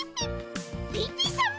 ピピさま！